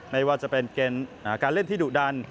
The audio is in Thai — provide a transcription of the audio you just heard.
ไม่ว่าจะเป็นเกมการเล่นที่ดุดัน